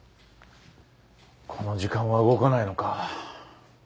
この時間は動かないのか。